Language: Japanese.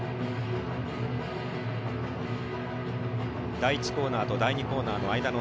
第１コーナーと第２コーナーの間の